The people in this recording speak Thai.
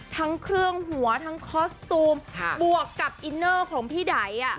ทั้งเครื่องหัวทั้งคอสตูมบวกกับอินเนอร์ของพี่ได